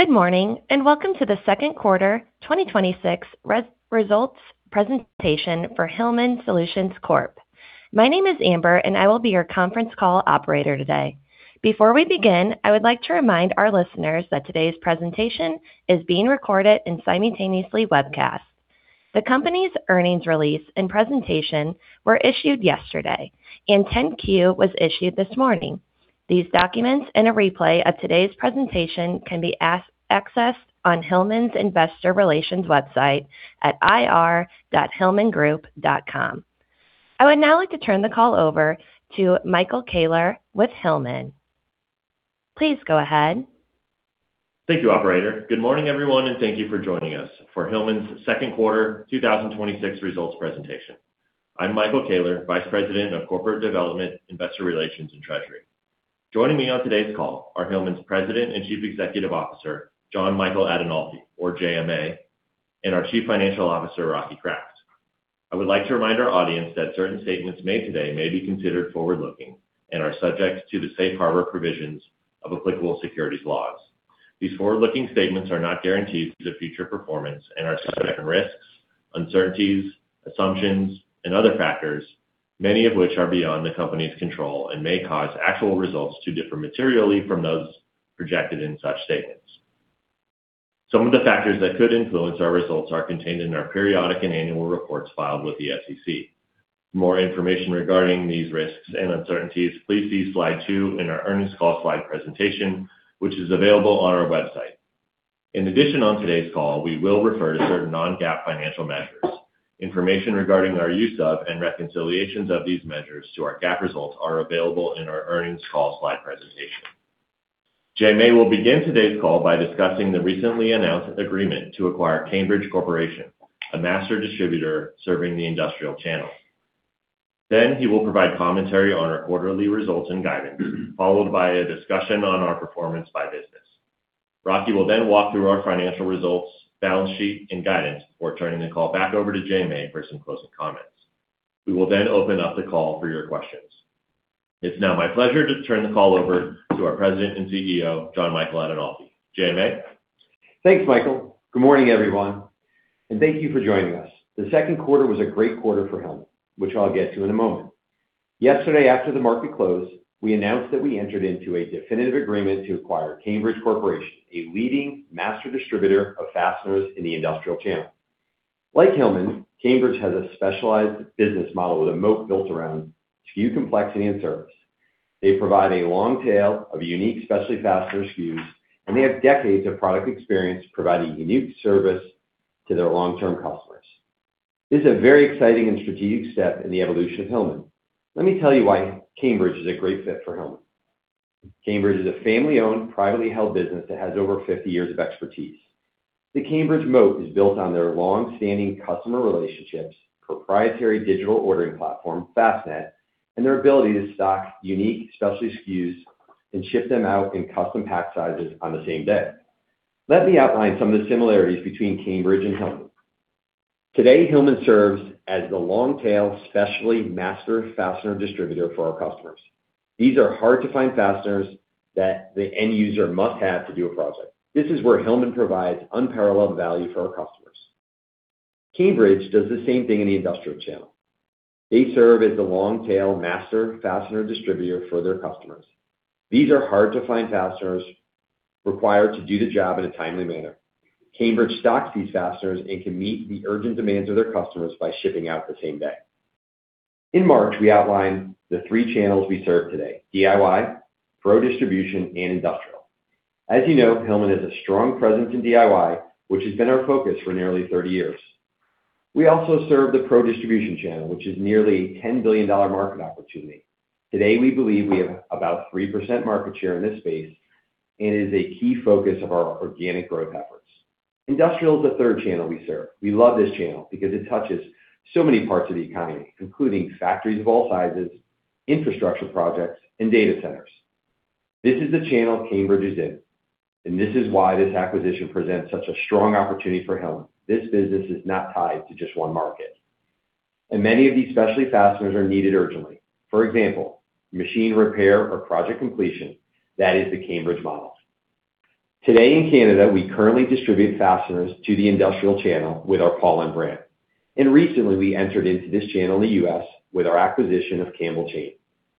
Good morning, welcome to the second quarter 2026 results presentation for Hillman Solutions Corp. My name is Amber, and I will be your conference call operator today. Before we begin, I would like to remind our listeners that today's presentation is being recorded and simultaneously webcast. The company's earnings release and presentation were issued yesterday, and 10-Q was issued this morning. These documents and a replay of today's presentation can be accessed on Hillman's Investor Relations website at ir.hillmangroup.com. I would now like to turn the call over to Michael Koehler with Hillman. Please go ahead. Thank you, operator. Good morning, everyone, thank you for joining us for Hillman's second quarter 2026 results presentation. I'm Michael Koehler, Vice President of Corporate Development, Investor Relations, and Treasury. Joining me on today's call are Hillman's President and Chief Executive Officer, Jon Michael Adinolfi, or J.M.A., and our Chief Financial Officer, Rocky Kraft. I would like to remind our audience that certain statements made today may be considered forward-looking and are subject to the safe harbor provisions of applicable securities laws. These forward-looking statements are not guarantees of future performance and are subject to risks, uncertainties, assumptions, and other factors, many of which are beyond the company's control and may cause actual results to differ materially from those projected in such statements. Some of the factors that could influence our results are contained in our periodic and annual reports filed with the SEC. For more information regarding these risks and uncertainties, please see Slide two in our earnings call slide presentation, which is available on our website. In addition, on today's call, we will refer to certain non-GAAP financial measures. Information regarding our use of and reconciliations of these measures to our GAAP results are available in our earnings call slide presentation. J.M.A. will begin today's call by discussing the recently announced agreement to acquire Kanebridge Corporation, a master distributor serving the industrial channel. He will then provide commentary on our quarterly results and guidance, followed by a discussion on our performance by business. Rocky will then walk through our financial results, balance sheet, and guidance before turning the call back over to J.M.A. for some closing comments. We will open up the call for your questions. It's now my pleasure to turn the call over to our President and CEO, Jon Michael Adinolfi. J.M.A.? Thanks, Michael. Good morning, everyone, and thank you for joining us. The second quarter was a great quarter for Hillman, which I'll get to in a moment. Yesterday, after the market closed, we announced that we entered into a definitive agreement to acquire Kanebridge Corporation, a leading master distributor of fasteners in the industrial channel. Like Hillman, Kanebridge has a specialized business model with a moat built around SKU complexity and service. They provide a long tail of unique specialty fastener SKUs, and they have decades of product experience providing unique service to their long-term customers. This is a very exciting and strategic step in the evolution of Hillman. Let me tell you why Kanebridge is a great fit for Hillman. Kanebridge is a family-owned, privately held business that has over 50 years of expertise. The Kanebridge moat is built on their long-standing customer relationships, proprietary digital ordering platform, FastNet, and their ability to stock unique specialty SKUs and ship them out in custom pack sizes on the same day. Let me outline some of the similarities between Kanebridge and Hillman. Today, Hillman serves as the long-tail specialty master fastener distributor for our customers. These are hard-to-find fasteners that the end user must have to do a project. This is where Hillman provides unparalleled value for our customers. Kanebridge does the same thing in the industrial channel. They serve as the long-tail master fastener distributor for their customers. These are hard-to-find fasteners required to do the job in a timely manner. Kanebridge stocks these fasteners and can meet the urgent demands of their customers by shipping out the same day. In March, we outlined the three channels we serve today: DIY, pro distribution, and industrial. As you know, Hillman has a strong presence in DIY, which has been our focus for nearly 30 years. We also serve the pro distribution channel, which is nearly a $10 billion market opportunity. Today, we believe we have about 3% market share in this space and is a key focus of our organic growth efforts. Industrial is the third channel we serve. We love this channel because it touches so many parts of the economy, including factories of all sizes, infrastructure projects, and data centers. This is the channel Kanebridge is in, and this is why this acquisition presents such a strong opportunity for Hillman. This business is not tied to just one market. Many of these specialty fasteners are needed urgently. For example, machine repair or project completion. That is the Kanebridge model. Today in Canada, we currently distribute fasteners to the industrial channel with our Paulin brand, and recently we entered into this channel in the U.S. with our acquisition of Campbell Chain.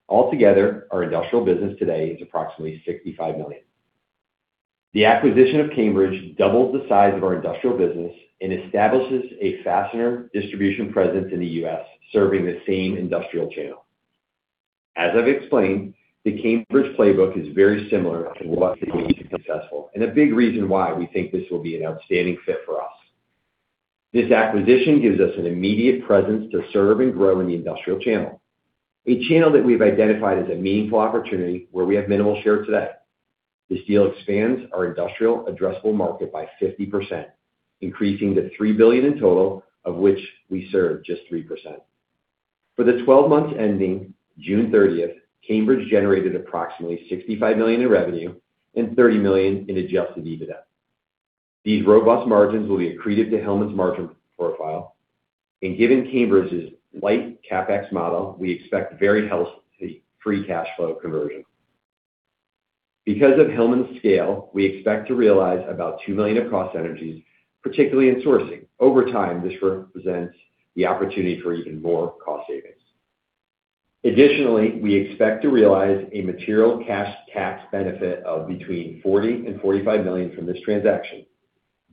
Altogether, our industrial business today is approximately $65 million. The acquisition of Kanebridge doubles the size of our industrial business and establishes a fastener distribution presence in the U.S., serving the same industrial channel. As I've explained, the Kanebridge playbook is very similar and what's been successful, and a big reason why we think this will be an outstanding fit for us. This acquisition gives us an immediate presence to serve and grow in the industrial channel, a channel that we've identified as a meaningful opportunity where we have minimal share today. This deal expands our industrial addressable market by 50%, increasing to $3 billion in total, of which we serve just 3%. For the 12 months ending June 30th, Kanebridge generated approximately $65 million in revenue and $30 million in adjusted EBITDA. These robust margins will be accretive to Hillman’s margin profile. Given Kanebridge’s light CapEx model, we expect very healthy free cash flow conversion. Because of Hillman’s scale, we expect to realize about $2 million of cost synergies, particularly in sourcing. Over time, this represents the opportunity for even more cost savings. Additionally, we expect to realize a material cash tax benefit of between $40 million and $45 million from this transaction.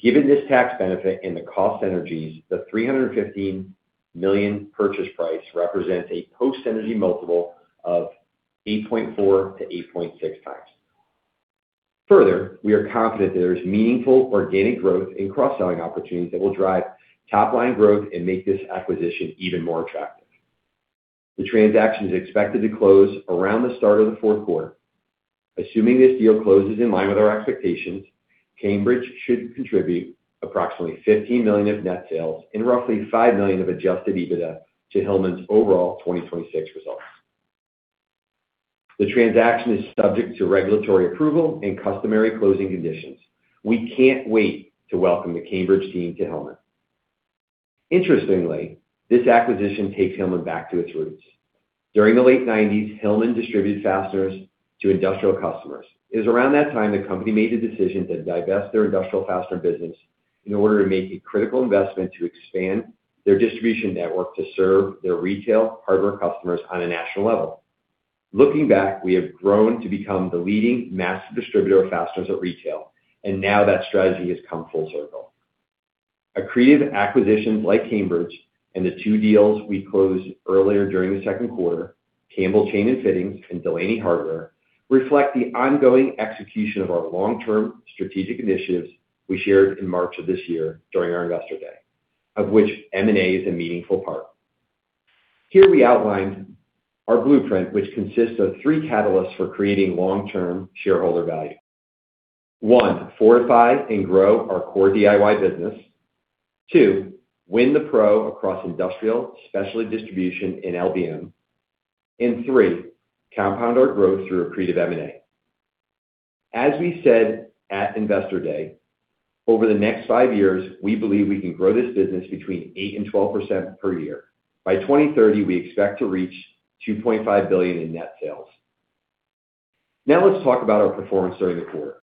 Given this tax benefit and the cost synergies, the $315 million purchase price represents a post-synergy multiple of 8.4x-8.6x. We are confident there is meaningful organic growth in cross-selling opportunities that will drive top-line growth and make this acquisition even more attractive. The transaction is expected to close around the start of the fourth quarter. Assuming this deal closes in line with our expectations, Kanebridge should contribute approximately $15 million of net sales and roughly $5 million of adjusted EBITDA to Hillman’s overall 2026 results. The transaction is subject to regulatory approval and customary closing conditions. We can’t wait to welcome the Kanebridge team to Hillman. Interestingly, this acquisition takes Hillman back to its roots. During the late 1990s, Hillman distributed fasteners to industrial customers. It was around that time the company made the decision to divest their industrial fastener business in order to make a critical investment to expand their distribution network to serve their retail hardware customers on a national level. Looking back, we have grown to become the leading master distributor of fasteners at retail, and now that strategy has come full circle. Accretive acquisitions like Kanebridge and the two deals we closed earlier during the second quarter, Campbell Chain & Fittings and Delaney Hardware, reflect the ongoing execution of our long-term strategic initiatives we shared in March of this year during our Investor Day, of which M&A is a meaningful part. Here, we outlined our blueprint, which consists of three catalysts for creating long-term shareholder value. One. Fortify and grow our core DIY business. Two. Win the Pro across industrial, specialty distribution, and LBM. Three. Compound our growth through accretive M&A. As we said at Investor Day, over the next five years, we believe we can grow this business between 8%-12% per year. By 2030, we expect to reach $2.5 billion in net sales. Let’s talk about our performance during the quarter.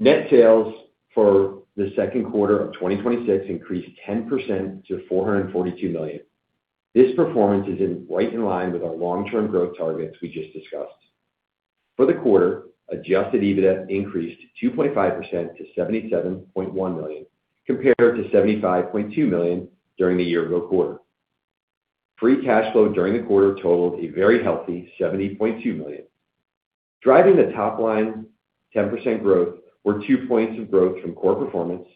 Net sales for the second quarter of 2026 increased 10% to $442 million. This performance is right in line with our long-term growth targets we just discussed. For the quarter, adjusted EBITDA increased 2.5% to $77.1 million, compared to $75.2 million during the year-ago quarter. Free cash flow during the quarter totaled a very healthy $70.2 million. Driving the top-line 10% growth were two points of growth from core performance,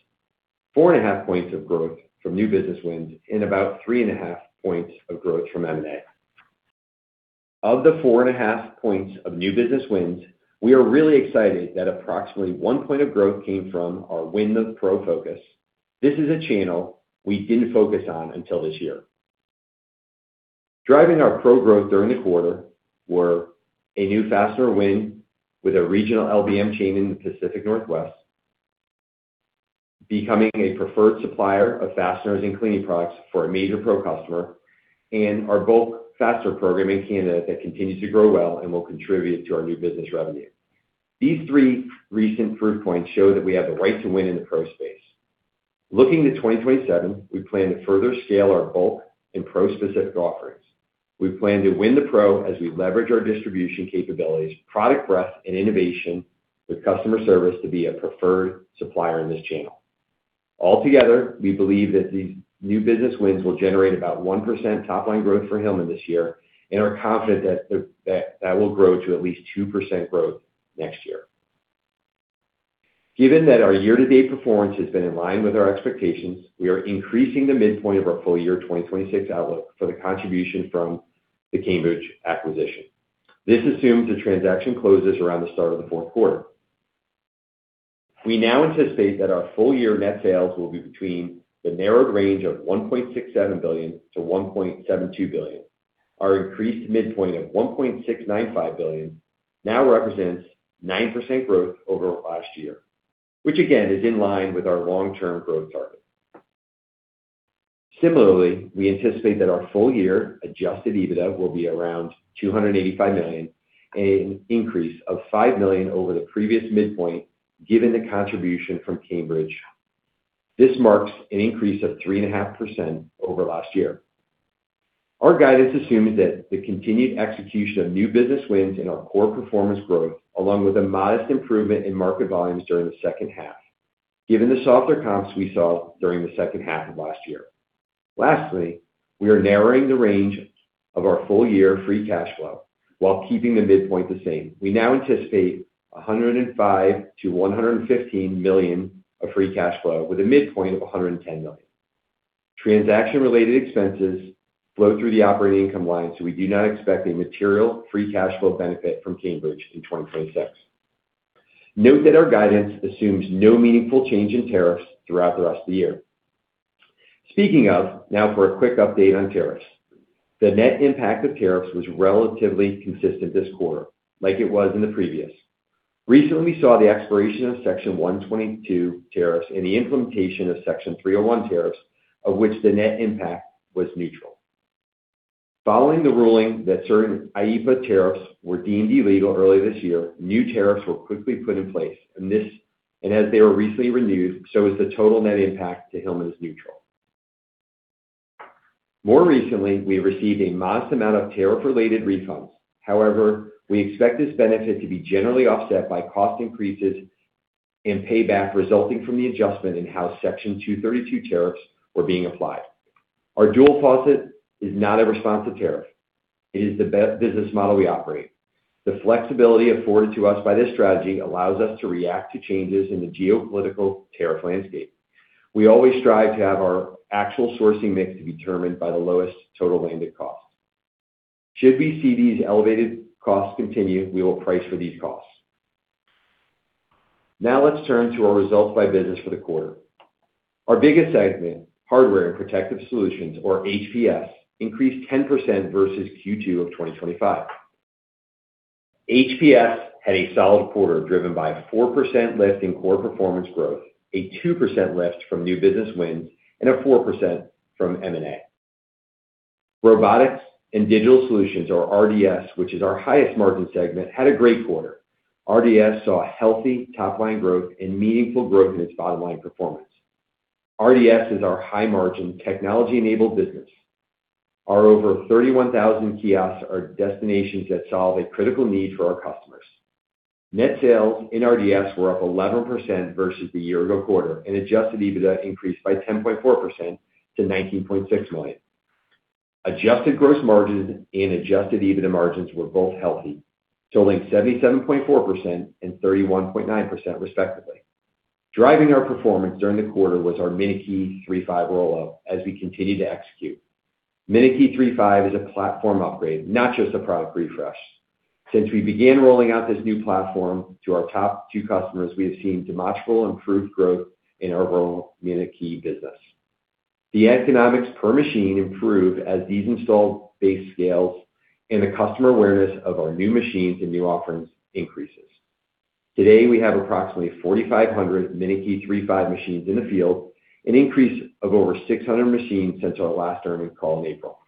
4.5 points of growth from new business wins, and about 3.5 points of growth from M&A. Of the 4.5 points of new business wins, we are really excited that approximately one point of growth came from our Win the Pro focus. This is a channel we didn’t focus on until this year. Driving our pro growth during the quarter were a new fastener win with a regional LBM chain in the Pacific Northwest, becoming a preferred supplier of fasteners and cleaning products for a major pro customer, and our bulk fastener program in Canada that continues to grow well and will contribute to our new business revenue. These three recent proof points show that we have the right to win in the pro space. Looking to 2027, we plan to further scale our bulk and pro specific offerings. We plan to win the pro as we leverage our distribution capabilities, product breadth, and innovation with customer service to be a preferred supplier in this channel. Altogether, we believe that these new business wins will generate about 1% top-line growth for Hillman this year and are confident that will grow to at least 2% growth next year. Given that our year-to-date performance has been in line with our expectations, we are increasing the midpoint of our full year 2026 outlook for the contribution from the Kanebridge acquisition. This assumes the transaction closes around the start of the fourth quarter. We now anticipate that our full-year net sales will be between the narrowed range of $1.67 billion-$1.72 billion. Our increased midpoint of $1.695 billion now represents 9% growth over last year, which again, is in line with our long-term growth targets. Similarly, we anticipate that our full-year adjusted EBITDA will be around $285 million, an increase of $5 million over the previous midpoint, given the contribution from Kanebridge. This marks an increase of 3.5% over last year. Our guidance assumes that the continued execution of new business wins and our core performance growth, along with a modest improvement in market volumes during the second half, given the softer comps we saw during the second half of last year. Lastly, we are narrowing the range of our full-year free cash flow while keeping the midpoint the same. We now anticipate $105 million-$115 million of free cash flow with a midpoint of $110 million. Transaction-related expenses flow through the operating income line, so we do not expect a material free cash flow benefit from Kanebridge in 2026. Note that our guidance assumes no meaningful change in tariffs throughout the rest of the year. Speaking of, now for a quick update on tariffs. The net impact of tariffs was relatively consistent this quarter, like it was in the previous. Recently, we saw the expiration of Section 122 tariffs and the implementation of Section 301 tariffs, of which the net impact was neutral. Following the ruling that certain IEEPA tariffs were deemed illegal earlier this year, new tariffs were quickly put in place. As they were recently renewed, so is the total net impact to Hillman is neutral. More recently, we received a modest amount of tariff related refunds. However, we expect this benefit to be generally offset by cost increases and payback resulting from the adjustment in how Section 232 tariffs were being applied. Our dual source is not a response to tariff. It is the best business model we operate. The flexibility afforded to us by this strategy allows us to react to changes in the geopolitical tariff landscape. We always strive to have our actual sourcing mix be determined by the lowest total landed cost. Should we see these elevated costs continue, we will price for these costs. Now let's turn to our results by business for the quarter. Our biggest segment, Hardware and Protective Solutions, or HPS, increased 10% versus Q2 of 2025. HPS had a solid quarter, driven by 4% lift in core performance growth, a 2% lift from new business wins, and a 4% from M&A. Robotics and Digital Solutions, or RDS, which is our highest margin segment, had a great quarter. RDS saw healthy top-line growth and meaningful growth in its bottom-line performance. RDS is our high-margin, technology-enabled business. Our over 31,000 kiosks are destinations that solve a critical need for our customers. Net sales in RDS were up 11% versus the year ago quarter and adjusted EBITDA increased by 10.4% to $19.6 million. Adjusted gross margin and adjusted EBITDA margins were both healthy, totaling 77.4% and 31.9%, respectively. Driving our performance during the quarter was our MinuteKey 3.5 rollout as we continue to execute. MinuteKey 3.5 is a platform upgrade, not just a product refresh. Since we began rolling out this new platform to our top two customers, we have seen demonstrable improved growth in our overall MinuteKey business. The economics per machine improve as these installed base scales and the customer awareness of our new machines and new offerings increases. Today, we have approximately 4,500 MinuteKey 3.5 machines in the field, an increase of over 600 machines since our last earnings call in April.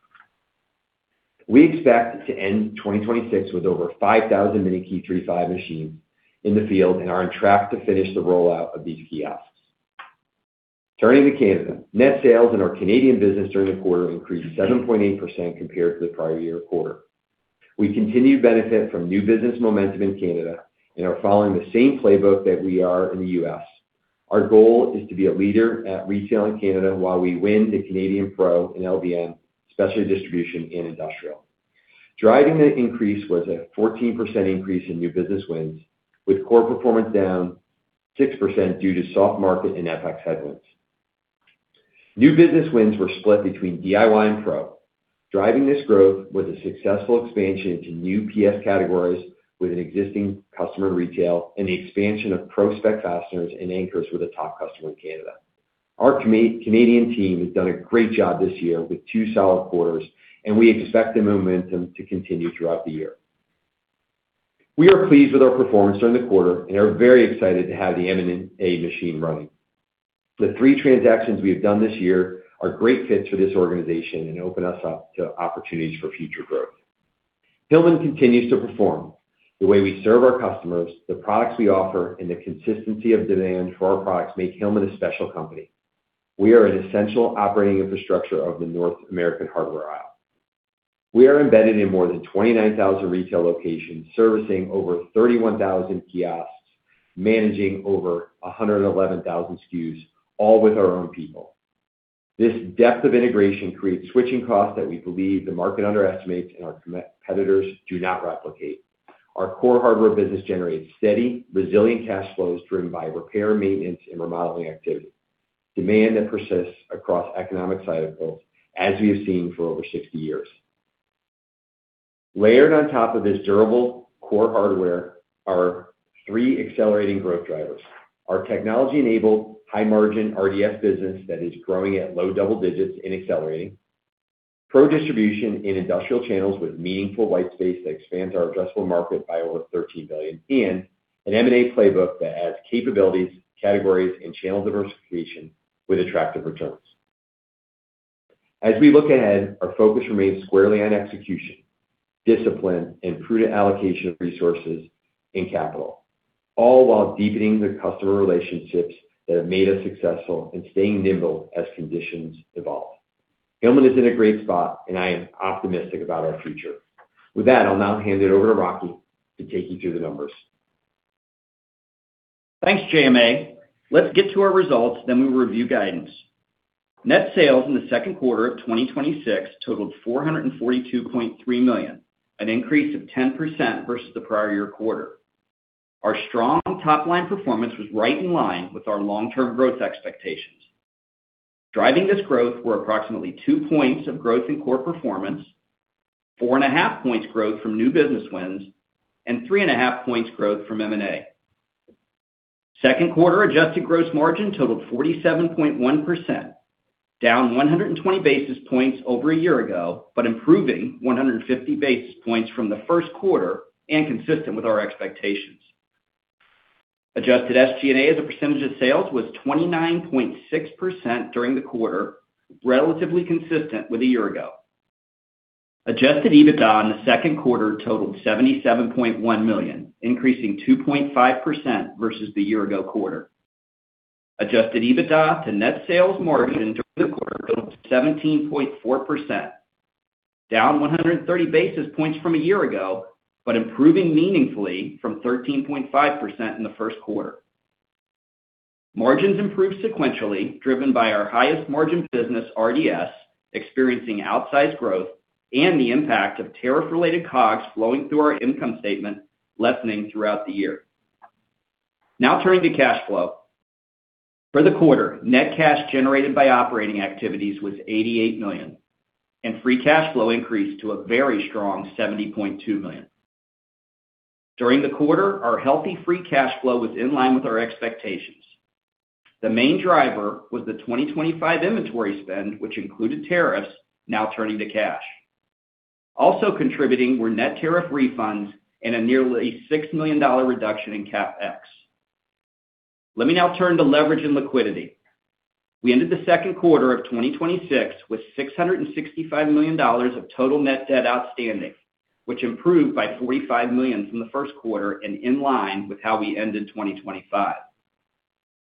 We expect to end 2026 with over 5,000 MinuteKey 3.5 machines in the field and are on track to finish the rollout of these kiosks. Turning to Canada. Net sales in our Canadian business during the quarter increased 7.8% compared to the prior year quarter. We continue to benefit from new business momentum in Canada and are following the same playbook that we are in the U.S. Our goal is to be a leader at retail in Canada while we win the Canadian Pro and LBM specialty distribution and industrial. Driving the increase was a 14% increase in new business wins, with core performance down 6% due to soft market and FX headwinds. New business wins were split between DIY and Pro. Driving this growth was a successful expansion to new PS categories with an existing customer retail and the expansion of Power Pro fasteners and anchors with a top customer in Canada. Our Canadian team has done a great job this year with two solid quarters, and we expect the momentum to continue throughout the year. We are pleased with our performance during the quarter and are very excited to have the M&A machine running. The three transactions we have done this year are great fits for this organization and open us up to opportunities for future growth. Hillman continues to perform. The way we serve our customers, the products we offer, and the consistency of demand for our products make Hillman a special company. We are an essential operating infrastructure of the North American hardware aisle. We are embedded in more than 29,000 retail locations, servicing over 31,000 kiosks, managing over 111,000 SKUs, all with our own people. This depth of integration creates switching costs that we believe the market underestimates and our competitors do not replicate. Our core hardware business generates steady, resilient cash flows driven by repair, maintenance, and remodeling activity. Demand that persists across economic cycles, as we have seen for over 60 years. Layered on top of this durable core hardware are three accelerating growth drivers. Our technology-enabled, high-margin RDS business that is growing at low double digits and accelerating. Pro distribution in industrial channels with meaningful white space that expands our addressable market by over $13 billion, an M&A playbook that adds capabilities, categories, and channel diversification with attractive returns. As we look ahead, our focus remains squarely on execution, discipline, and prudent allocation of resources and capital, all while deepening the customer relationships that have made us successful and staying nimble as conditions evolve. Hillman is in a great spot, I am optimistic about our future. With that, I'll now hand it over to Rocky to take you through the numbers. Thanks, JMA. Let's get to our results, we'll review guidance. Net sales in the second quarter of 2026 totaled $442.3 million, an increase of 10% versus the prior year quarter. Our strong top-line performance was right in line with our long-term growth expectations. Driving this growth were approximately two points of growth in core performance, four and a half points growth from new business wins, and three and a half points growth from M&A. Second quarter adjusted gross margin totaled 47.1%, down 120 basis points over a year ago, improving 150 basis points from the first quarter and consistent with our expectations. Adjusted SG&A as a percentage of sales was 29.6% during the quarter, relatively consistent with a year ago. Adjusted EBITDA in the second quarter totaled $77.1 million, increasing 2.5% versus the year ago quarter. Adjusted EBITDA to net sales margin during the quarter totaled 17.4%, down 130 basis points from a year ago, improving meaningfully from 13.5% in the first quarter. Margins improved sequentially, driven by our highest margin business, RDS, experiencing outsized growth and the impact of tariff related COGS flowing through our income statement lessening throughout the year. Turning to cash flow. For the quarter, net cash generated by operating activities was $88 million, free cash flow increased to a very strong $70.2 million. During the quarter, our healthy free cash flow was in line with our expectations. The main driver was the 2025 inventory spend, which included tariffs now turning to cash. Contributing were net tariff refunds and a nearly $6 million reduction in CapEx. Let me now turn to leverage and liquidity. We ended the second quarter of 2026 with $665 million of total net debt outstanding, which improved by $45 million from the first quarter in line with how we ended 2025.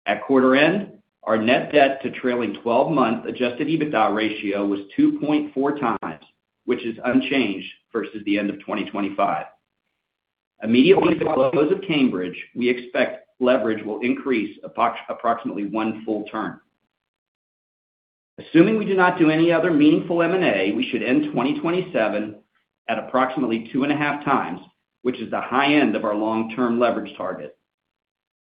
At quarter end, our net debt to trailing 12-month Adjusted EBITDA ratio was 2.4x, which is unchanged versus the end of 2025. Immediately with the close of Kanebridge, we expect leverage will increase approximately one full turn. Assuming we do not do any other meaningful M&A, we should end 2027 at approximately 2.5x, which is the high end of our long term leverage target.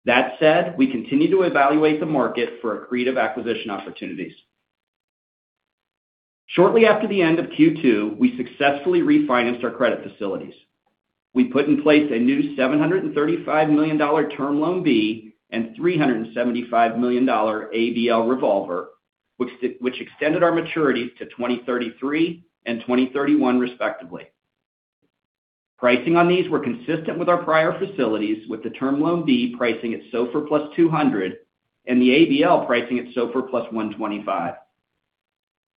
That said, we continue to evaluate the market for accretive acquisition opportunities. Shortly after the end of Q2, we successfully refinanced our credit facilities. We put in place a new $735 million Term Loan B and $375 million ABL revolver, which extended our maturities to 2033 and 2031, respectively. Pricing on these were consistent with our prior facilities, with the Term Loan B pricing at SOFR plus 200, and the ABL pricing at SOFR plus 125.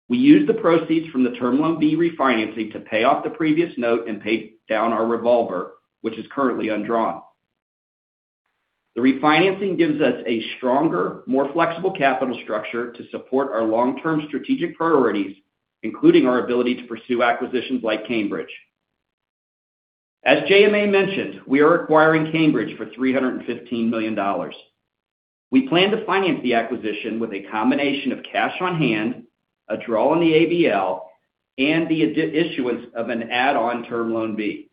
We used the proceeds from the Term Loan B refinancing to pay off the previous note and pay down our revolver, which is currently undrawn. The refinancing gives us a stronger, more flexible capital structure to support our long term strategic priorities, including our ability to pursue acquisitions like Kanebridge. As J.M.A. mentioned, we are acquiring Kanebridge for $315 million. We plan to finance the acquisition with a combination of cash on hand, a draw on the ABL, and the issuance of an add-on Term Loan B.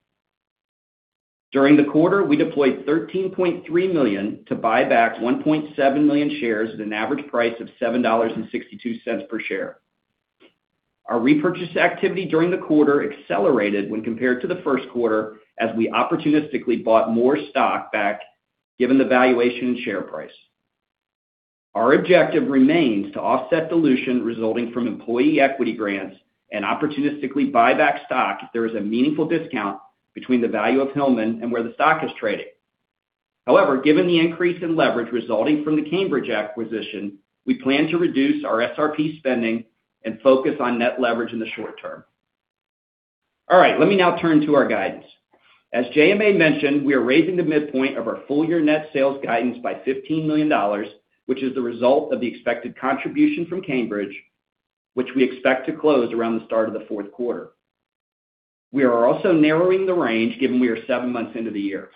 During the quarter, we deployed $13.3 million to buy back 1.7 million shares at an average price of $7.62 per share. Our repurchase activity during the quarter accelerated when compared to the first quarter as we opportunistically bought more stock back given the valuation and share price. Our objective remains to offset dilution resulting from employee equity grants and opportunistically buy back stock if there is a meaningful discount between the value of Hillman and where the stock is trading. However, given the increase in leverage resulting from the Kanebridge acquisition, we plan to reduce our SRP spending and focus on net leverage in the short term. All right. Let me now turn to our guidance. As J.M.A. mentioned, we are raising the midpoint of our full year net sales guidance by $15 million, which is the result of the expected contribution from Kanebridge, which we expect to close around the start of the fourth quarter. We are also narrowing the range, given we are seven months into the year.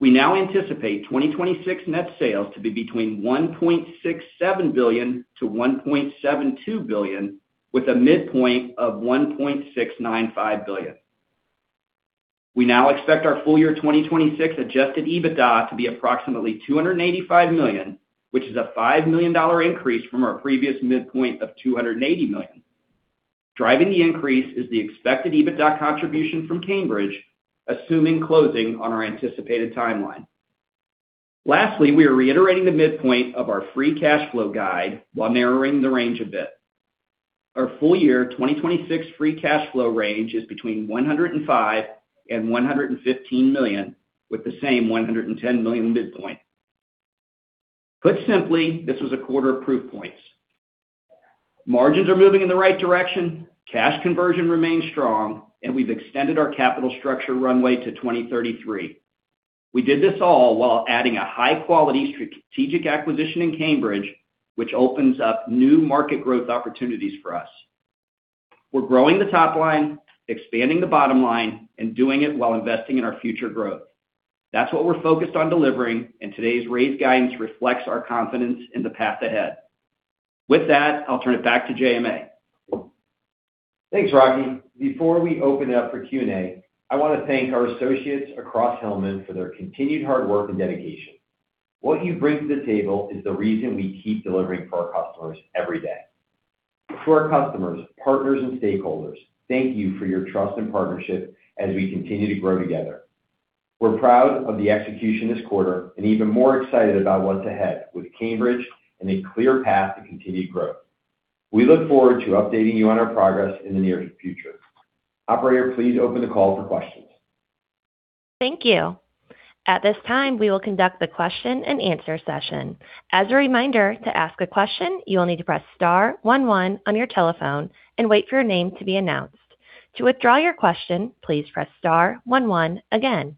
We now anticipate 2026 net sales to be between $1.67 billion-$1.72 billion, with a midpoint of $1.695 billion. We now expect our full year 2026 adjusted EBITDA to be approximately $285 million, which is a $5 million increase from our previous midpoint of $280 million. Driving the increase is the expected EBITDA contribution from Kanebridge, assuming closing on our anticipated timeline. Lastly, we are reiterating the midpoint of our free cash flow guide while narrowing the range a bit. Our full year 2026 free cash flow range is between $105 million and $115 million, with the same $110 million midpoint. Put simply, this was a quarter of proof points. Margins are moving in the right direction, cash conversion remains strong, and we've extended our capital structure runway to 2033. We did this all while adding a high quality strategic acquisition in Kanebridge, which opens up new market growth opportunities for us. We're growing the top line, expanding the bottom line, and doing it while investing in our future growth. That's what we're focused on delivering, and today's raised guidance reflects our confidence in the path ahead. With that, I'll turn it back to J.M.A. Thanks, Rocky. Before we open it up for Q&A, I want to thank our associates across Hillman for their continued hard work and dedication. What you bring to the table is the reason we keep delivering for our customers every day. To our customers, partners, and stakeholders, thank you for your trust and partnership as we continue to grow together. We're proud of the execution this quarter and even more excited about what's ahead with Kanebridge and a clear path to continued growth. We look forward to updating you on our progress in the near future. Operator, please open the call for questions. Thank you. At this time, we will conduct the Q&A session. As a reminder, to ask a question, you will need to press star one one on your telephone and wait for your name to be announced. To withdraw your question, please press star one one again.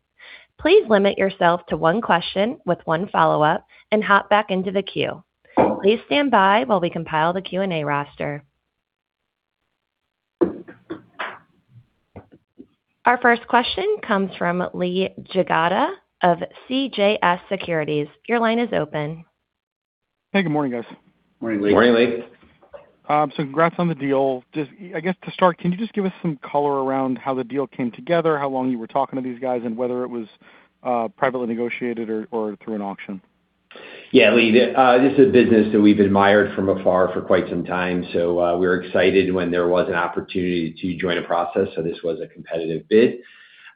Please limit yourself to one question with one follow-up and hop back into the queue. Please stand by while we compile the Q&A roster. Our first question comes from Lee Jagoda of CJS Securities. Your line is open. Hey, good morning, guys. Morning, Lee. Congrats on the deal. I guess to start, can you just give us some color around how the deal came together, how long you were talking to these guys, and whether it was privately negotiated or through an auction? Yeah, Lee, this is a business that we've admired from afar for quite some time. We were excited when there was an opportunity to join a process. This was a competitive bid.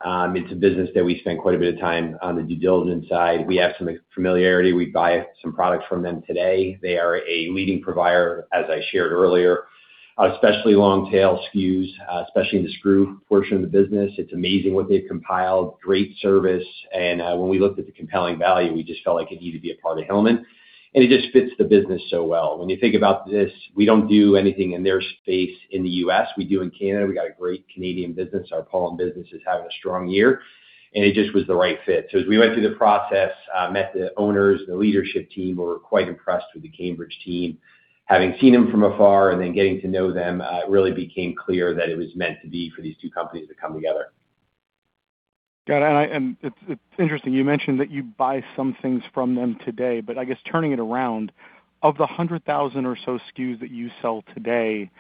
It's a business that we spent quite a bit of time on the due diligence side. We have some familiarity. We buy some products from them today. They are a leading provider, as I shared earlier, especially long-tail SKUs, especially in the screw portion of the business. It's amazing what they've compiled. Great service. When we looked at the compelling value, we just felt like it needed to be a part of Hillman, and it just fits the business so well. When you think about this, we don't do anything in their space in the U.S. We do in Canada. We got a great Canadian business. Our Pollen business is having a strong year, and it just was the right fit. As we went through the process, met the owners, the leadership team, we were quite impressed with the Kanebridge team. Having seen them from afar and then getting to know them, it really became clear that it was meant to be for these two companies to come together. It's interesting you mentioned that you buy some things from them today, but I guess turning it around, of the 100,000 or so SKUs that you sell today,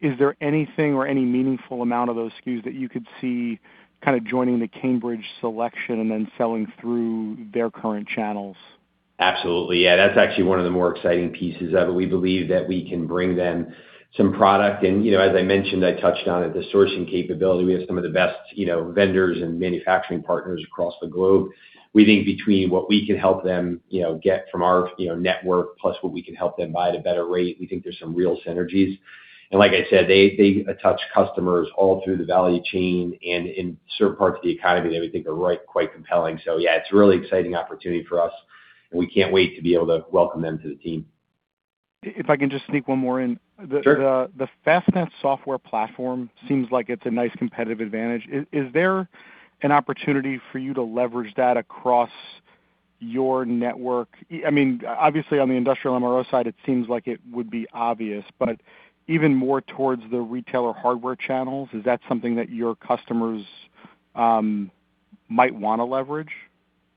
is there anything or any meaningful amount of those SKUs that you could see kind of joining the Kanebridge selection and then selling through their current channels? Absolutely. Yeah, that's actually one of the more exciting pieces of it. We believe that we can bring them some product. As I mentioned, I touched on it, the sourcing capability. We have some of the best vendors and manufacturing partners across the globe. We think between what we can help them get from our network, plus what we can help them buy at a better rate, we think there's some real synergies. Like I said, they touch customers all through the value chain and in certain parts of the economy that we think are quite compelling. Yeah, it's a really exciting opportunity for us, and we can't wait to be able to welcome them to the team. If I can just sneak one more in. Sure. The FastNet software platform seems like it's a nice competitive advantage. Is there an opportunity for you to leverage that across your network? Obviously, on the industrial MRO side, it seems like it would be obvious, but even more towards the retailer hardware channels, is that something that your customers might want to leverage?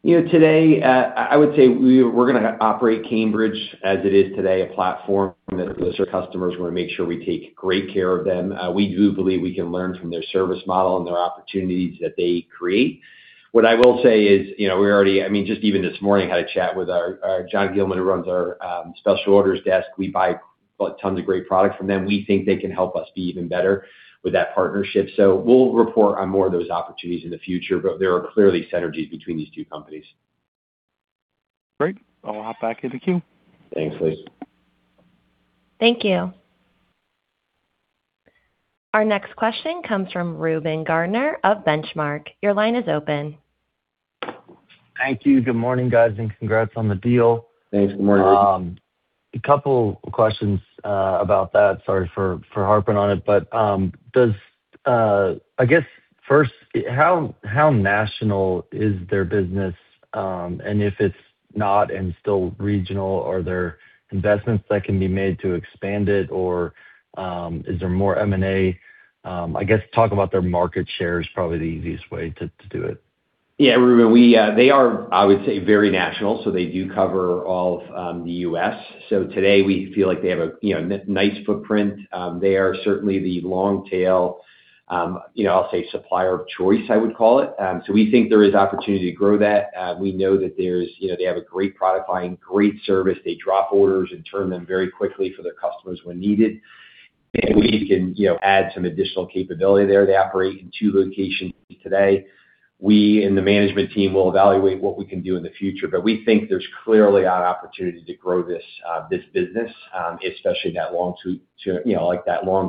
Today, I would say we're going to operate Kanebridge as it is today, a platform that those are customers we want to make sure we take great care of them. We do believe we can learn from their service model and their opportunities that they create. What I will say is, just even this morning, had a chat with John Gilman, who runs our special orders desk. We buy tons of great products from them. We think they can help us be even better with that partnership. We'll report on more of those opportunities in the future, but there are clearly synergies between these two companies. Great. I'll hop back in the queue. Thanks, Lee. Thank you. Our next question comes from Reuben Garner of Benchmark. Your line is open. Thank you. Good morning, guys, and congrats on the deal. Thanks. Good morning, Reuben. A couple questions about that. Sorry for harping on it. I guess, first, how national is their business? If it's not and still regional, are there investments that can be made to expand it, or is there more M&A? I guess talk about their market share is probably the easiest way to do it. Yeah, Reuben, they are, I would say, very national. They do cover all of the U.S. Today we feel like they have a nice footprint. They are certainly the long tail, I'll say supplier of choice, I would call it. We think there is opportunity to grow that. We know that they have a great product line, great service. They drop orders and turn them very quickly for their customers when needed. We can add some additional capability there. They operate in two locations today. We in the management team will evaluate what we can do in the future, but we think there's clearly an opportunity to grow this business, especially that long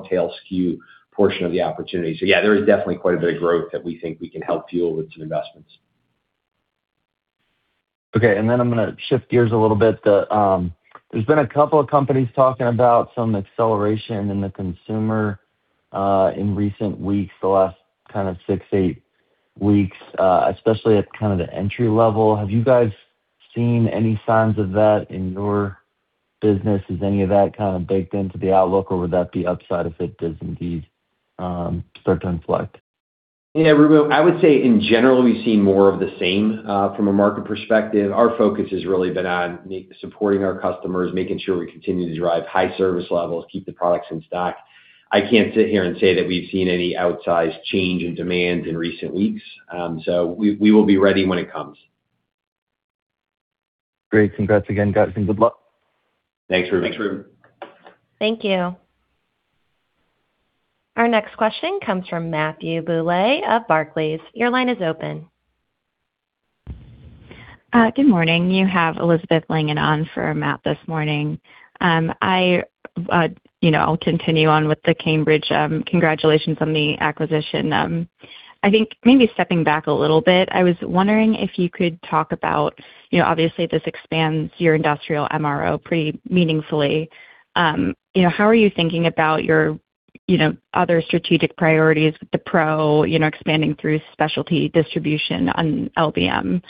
tail SKU portion of the opportunity. Yeah, there is definitely quite a bit of growth that we think we can help fuel with some investments. Okay. I'm going to shift gears a little bit. There's been a couple of companies talking about some acceleration in the consumer in recent weeks, the last kind of six, eight weeks, especially at kind of the entry level. Have you guys seen any signs of that in your business? Is any of that kind of baked into the outlook, or would that be upside if it does indeed start to inflect? Yeah, Reuben, I would say in general, we've seen more of the same from a market perspective. Our focus has really been on supporting our customers, making sure we continue to drive high service levels, keep the products in stock. I can't sit here and say that we've seen any outsized change in demand in recent weeks. We will be ready when it comes. Great. Congrats again, guys, and good luck. Thanks, Reuben. Thank you. Our next question comes from Matthew Bouley of Barclays. Your line is open. Good morning. You have Elizabeth Langan on for Matt this morning. I'll continue on with the Kanebridge. Congratulations on the acquisition. Stepping back a little bit, I was wondering if you could talk about, obviously this expands your industrial MRO pretty meaningfully. How are you thinking about your other strategic priorities with the pro expanding through specialty distribution on LBM?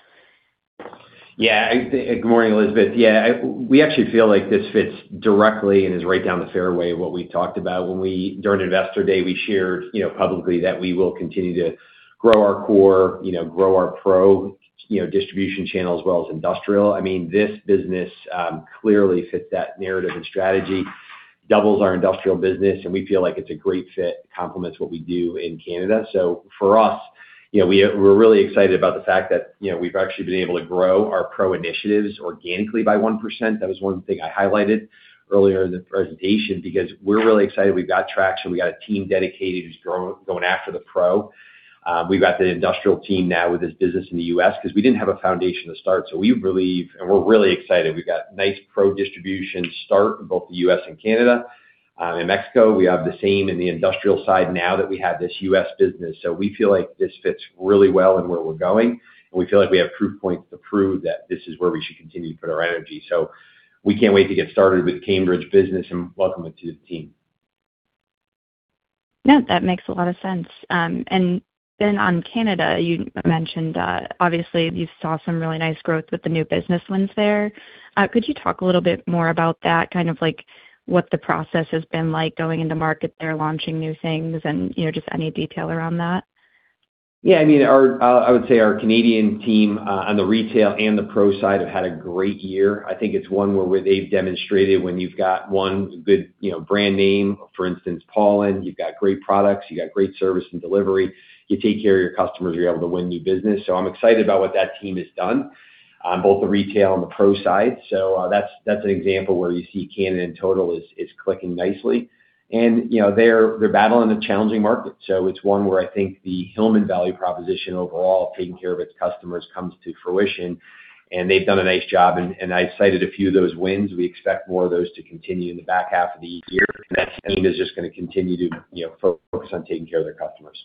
Yeah. Good morning, Elizabeth. Yeah, we actually feel like this fits directly and is right down the fairway of what we talked about when we, during Investor Day, we shared publicly that we will continue to grow our core, grow our pro distribution channel as well as industrial. This business clearly fits that narrative and strategy, doubles our industrial business, and we feel like it's a great fit, complements what we do in Canada. For us, we're really excited about the fact that we've actually been able to grow our pro initiatives organically by 1%. That was one thing I highlighted earlier in the presentation because we're really excited we've got traction. We got a team dedicated who's going after the pro. We've got the industrial team now with this business in the U.S. because we didn't have a foundation to start, so we believe and we're really excited. We've got nice pro distribution start in both the U.S. and Canada. In Mexico, we have the same in the industrial side now that we have this U.S. business. We feel like this fits really well in where we're going, and we feel like we have proof points to prove that this is where we should continue to put our energy. We can't wait to get started with Kanebridge business and welcome it to the team. No, that makes a lot of sense. On Canada, you mentioned, obviously you saw some really nice growth with the new business wins there. Could you talk a little bit more about that? Kind of like what the process has been like going into market there, launching new things, and just any detail around that. Yeah. I would say our Canadian team on the retail and the pro side have had a great year. I think it's one where they've demonstrated when you've got one good brand name, for instance, Pollen, you've got great products, you've got great service and delivery. You take care of your customers, you're able to win new business. I'm excited about what that team has done on both the retail and the pro side. That's an example where you see Canada in total is clicking nicely and they're battling a challenging market. It's one where I think the Hillman value proposition overall of taking care of its customers comes to fruition, and they've done a nice job and I cited a few of those wins. We expect more of those to continue in the back half of the year, and that team is just going to continue to focus on taking care of their customers.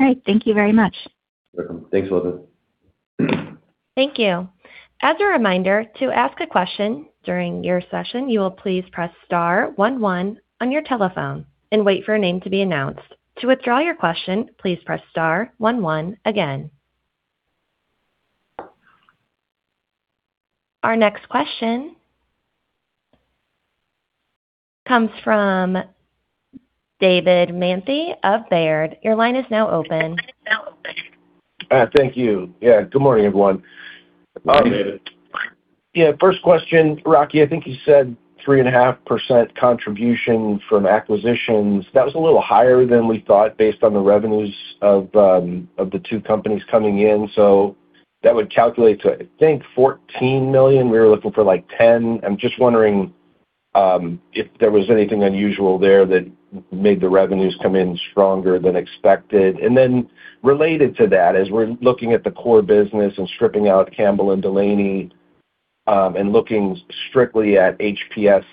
All right. Thank you very much. You're welcome. Thanks, Elizabeth. Thank you. As a reminder, to ask a question during your session, you will please press star one one on your telephone and wait for a name to be announced. To withdraw your question, please press star one one again. Our next question comes from David Manthey of Baird. Your line is now open. Thank you. Yeah, good morning, everyone. Good morning, David. First question. Rocky, I think you said 3.5% contribution from acquisitions. That was a little higher than we thought based on the revenues of the two companies coming in. That would calculate to, I think, $14 million. We were looking for $10 million. I'm just wondering if there was anything unusual there that made the revenues come in stronger than expected. Related to that, as we're looking at the core business and stripping out Campbell and Delaney, and looking strictly at HPS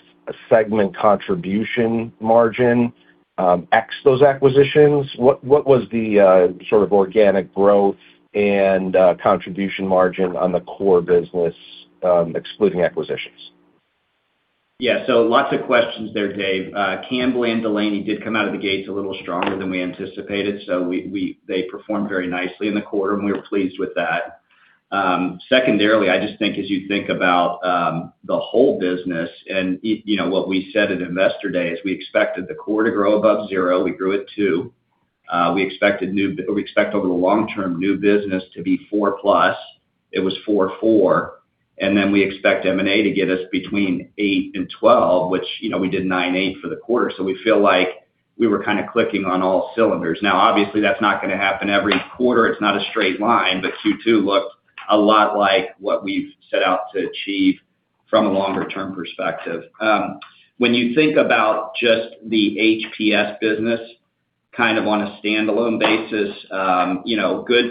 segment contribution margin, ex those acquisitions, what was the sort of organic growth and contribution margin on the core business excluding acquisitions? Lots of questions there, David. Campbell and Delaney did come out of the gates a little stronger than we anticipated. They performed very nicely in the quarter, and we were pleased with that. Secondarily, I just think as you think about the whole business and what we said at Investor Day is we expected the core to grow above zero. We grew it two. We expect over the long term new business to be 4+. It was 4.4%. We expect M&A to get us between 8% and 12%, which we did 9.8% for the quarter. We feel like we were kind of clicking on all cylinders. Obviously, that's not going to happen every quarter. It's not a straight line, but Q2 looked a lot like what we've set out to achieve from a longer-term perspective. When you think about just the HPS business kind of on a standalone basis,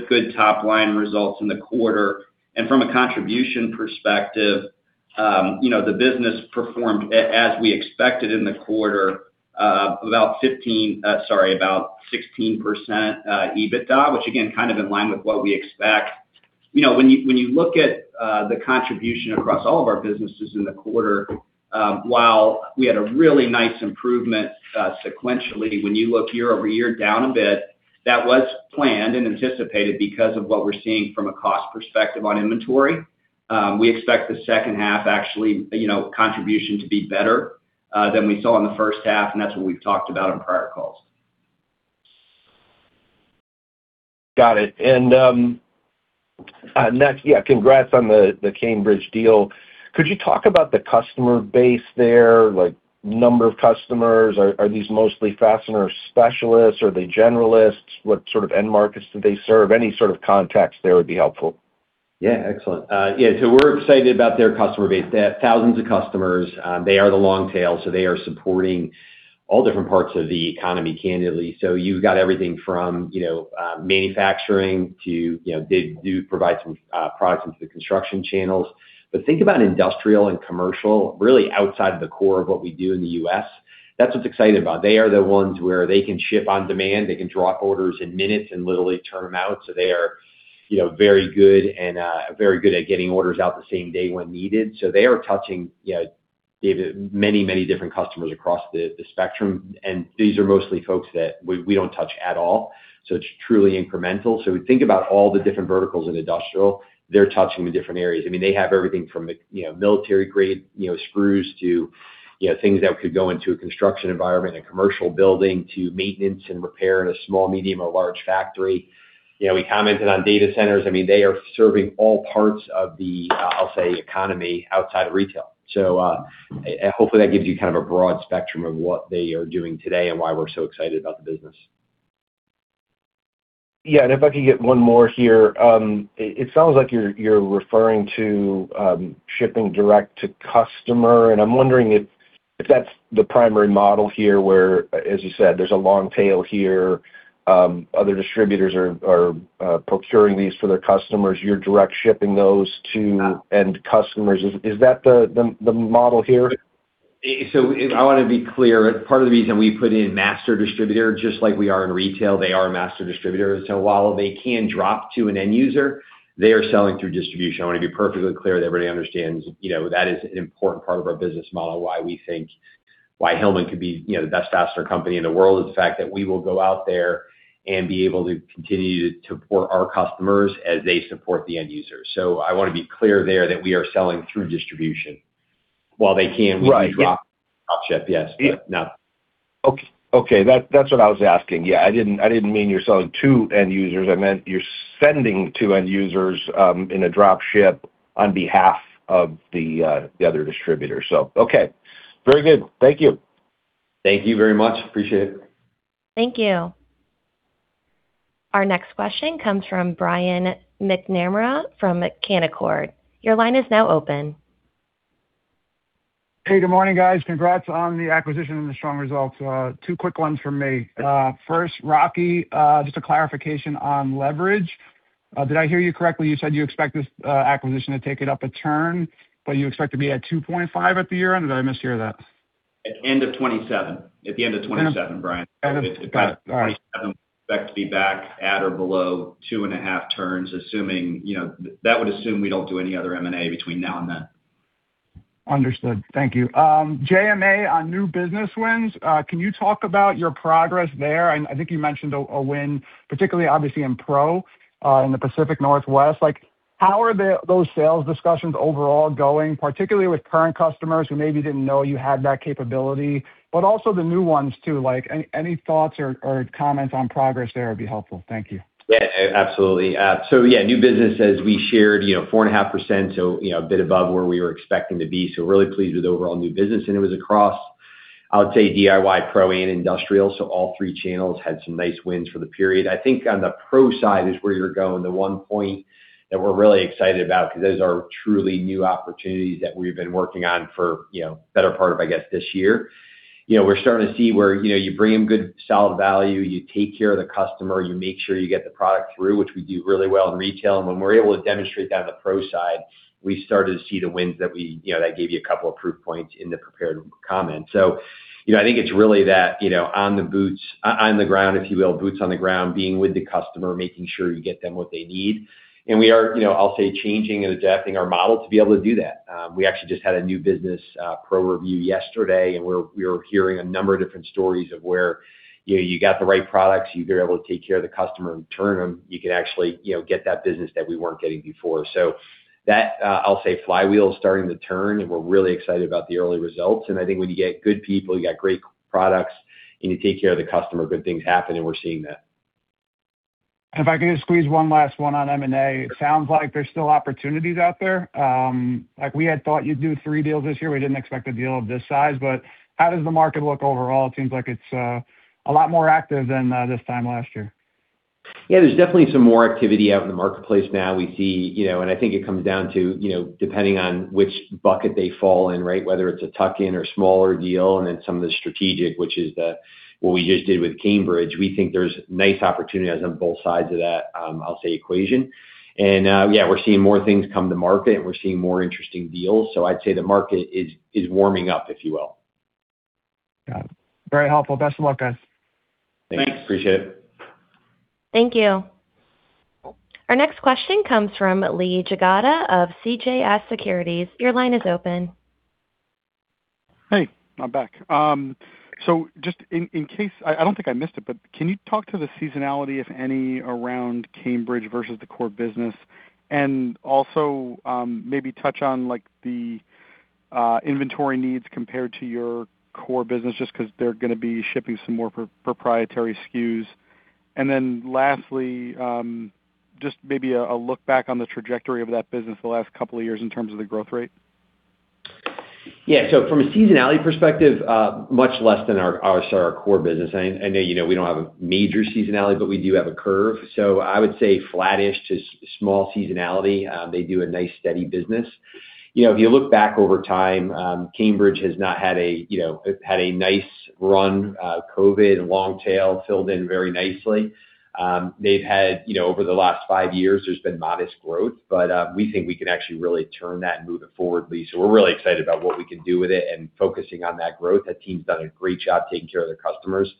good top-line results in the quarter. From a contribution perspective, the business performed as we expected in the quarter, about 16% EBITDA, which again, kind of in line with what we expect. When you look at the contribution across all of our businesses in the quarter, while we had a really nice improvement sequentially, when you look year-over-year down a bit, that was planned and anticipated because of what we're seeing from a cost perspective on inventory. We expect the second half actually contribution to be better than we saw in the first half, and that's what we've talked about on prior calls. Got it. Next, congrats on the Kanebridge deal. Could you talk about the customer base there, like number of customers? Are these mostly fastener specialists? Are they generalists? What sort of end markets do they serve? Any sort of context there would be helpful. Yeah. Excellent. Yeah, we're excited about their customer base. They have thousands of customers. They are the long tail, they are supporting all different parts of the economy, candidly. You've got everything from manufacturing to, they do provide some products into the construction channels. But think about industrial and commercial, really outside of the core of what we do in the U.S. That's what's exciting about it. They are the ones where they can ship on demand. They can drop orders in minutes and literally turn them out. They are very good and very good at getting orders out the same day when needed. They are touching many different customers across the spectrum. These are mostly folks that we don't touch at all, it's truly incremental. Think about all the different verticals in industrial, they're touching the different areas. They have everything from military-grade screws to things that could go into a construction environment and commercial building, to maintenance and repair in a small, medium, or large factory. We commented on data centers. They are serving all parts of the, I'll say, economy outside of retail. Hopefully that gives you kind of a broad spectrum of what they are doing today and why we're so excited about the business. Yeah, if I could get one more here. It sounds like you're referring to shipping direct to customer, and I'm wondering if that's the primary model here, where, as you said, there's a long tail here. Other distributors are procuring these for their customers. You're direct shipping those to end customers. Is that the model here? I want to be clear. Part of the reason we put in master distributor, just like we are in retail, they are a master distributor. While they can drop to an end user, they are selling through distribution. I want to be perfectly clear that everybody understands that is an important part of our business model, why Hillman could be the best fastener company in the world, is the fact that we will go out there and be able to continue to support our customers as they support the end user. I want to be clear there that we are selling through distribution while they can- Right drop ship. Yes. No. Okay. That's what I was asking. Yeah, I didn't mean you're selling to end users. I meant you're sending to end users in a drop ship on behalf of the other distributors. Okay. Very good. Thank you. Thank you very much. Appreciate it. Thank you. Our next question comes from Brian McNamara from Canaccord. Your line is now open. Hey, good morning, guys. Congrats on the acquisition and the strong results. Two quick ones from me. First, Rocky, just a clarification on leverage. Did I hear you correctly? You said you expect this acquisition to take it up a turn, but you expect to be at 2.5 at the year-end? Or did I mishear that? At the end of 2027. At the end of 2027, Brian. Got it. All right. 2027, expect to be back at or below 2.5 turns. That would assume we don't do any other M&A between now and then. Understood. Thank you. J.M.A., on new business wins, can you talk about your progress there? I think you mentioned a win, particularly obviously in Pro, in the Pacific Northwest. How are those sales discussions overall going, particularly with current customers who maybe didn't know you had that capability, but also the new ones, too? Any thoughts or comments on progress there would be helpful. Thank you. Yeah, absolutely. Yeah, new business, as we shared, 4.5%, a bit above where we were expecting to be. Really pleased with the overall new business, and it was across, I would say, DIY Pro and Industrial. All three channels had some nice wins for the period. I think on the Pro side is where you're going to one point that we're really excited about because those are truly new opportunities that we've been working on for the better part of, I guess, this year. We're starting to see where you bring them good solid value, you take care of the customer, you make sure you get the product through, which we do really well in retail. When we're able to demonstrate that on the Pro side, we started to see the wins that gave you a couple of proof points in the prepared comments. I think it's really that on the ground, if you will, boots on the ground, being with the customer, making sure you get them what they need. We are, I'll say, changing and adapting our model to be able to do that. We actually just had a new business Pro review yesterday, we are hearing a number of different stories of where you got the right products, you've been able to take care of the customer and turn them. You can actually get that business that we weren't getting before. That, I'll say, flywheel is starting to turn, and we're really excited about the early results. I think when you get good people, you got great products, and you take care of the customer, good things happen, and we're seeing that. If I could just squeeze one last one on M&A. It sounds like there's still opportunities out there. We had thought you'd do three deals this year. We didn't expect a deal of this size, but how does the market look overall? It seems like it's a lot more active than this time last year. Yeah, there's definitely some more activity out in the marketplace now. I think it comes down to depending on which bucket they fall in, right? Whether it's a tuck-in or smaller deal, then some of the strategic, which is what we just did with Kanebridge. We think there's nice opportunities on both sides of that, I'll say, equation. Yeah, we're seeing more things come to market, and we're seeing more interesting deals. I'd say the market is warming up, if you will. Got it. Very helpful. Best of luck, guys. Thanks. Appreciate it. Thank you. Our next question comes from Lee Jagoda of CJS Securities. Your line is open. Hey, I'm back. Just in case, I don't think I missed it, but can you talk to the seasonality, if any, around Kanebridge versus the core business? Also, maybe touch on the inventory needs compared to your core business, just because they're going to be shipping some more proprietary SKUs. Lastly, just maybe a look back on the trajectory of that business the last couple of years in terms of the growth rate. Yeah. From a seasonality perspective, much less than our core business. I know you know we don't have a major seasonality, but we do have a curve. I would say flattish to small seasonality. They do a nice steady business. If you look back over time, Kanebridge has had a nice run. COVID and long tail filled in very nicely. They've had over the last five years, there's been modest growth, but we think we can actually really turn that and move it forward, Lee. We're really excited about what we can do with it and focusing on that growth. That team's done a great job taking care of their customers.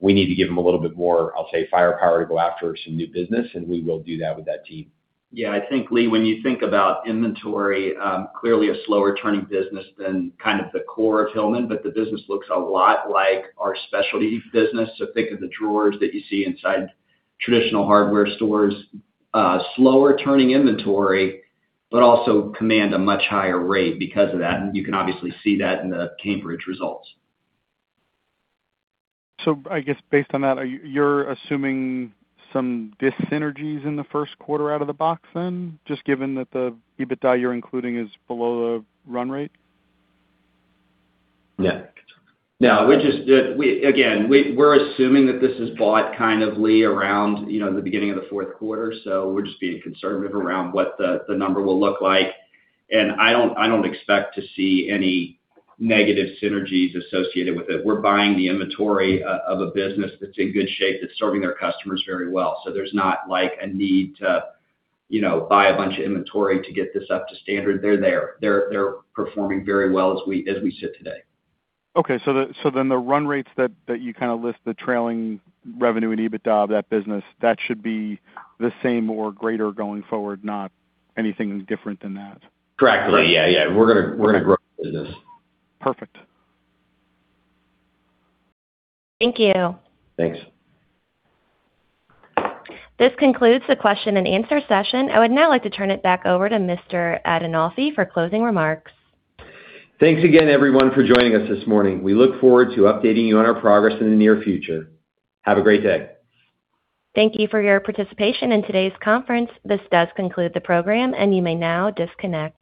We need to give them a little bit more, I'll say, firepower to go after some new business, and we will do that with that team. Yeah, I think, Lee, when you think about inventory, clearly a slower turning business than kind of the core of Hillman, but the business looks a lot like our specialty business. Think of the drawers that you see inside traditional hardware stores. Slower turning inventory, also command a much higher rate because of that, and you can obviously see that in the Kanebridge results. I guess based on that, you're assuming some dis-synergies in the first quarter out of the box then, just given that the EBITDA you're including is below the run rate? Yeah. Again, we're assuming that this is bought kind of, Lee, around the beginning of the fourth quarter, we're just being conservative around what the number will look like. I don't expect to see any negative synergies associated with it. We're buying the inventory of a business that's in good shape, that's serving their customers very well. There's not like a need to buy a bunch of inventory to get this up to standard. They're there. They're performing very well as we sit today. The run rates that you kind of list the trailing revenue and EBITDA of that business, that should be the same or greater going forward, not anything different than that? Correct. We're going to grow the business. Perfect. Thank you. Thanks. This concludes the Q&A session. I would now like to turn it back over to Mr. Adinolfi for closing remarks. Thanks again, everyone, for joining us this morning. We look forward to updating you on our progress in the near future. Have a great day. Thank you for your participation in today's conference. This does conclude the program, and you may now disconnect.